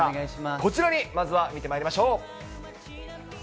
こちらに、まずは見てまいりましょう。